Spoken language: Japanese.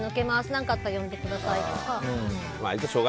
何かあったら呼んでくださいとか。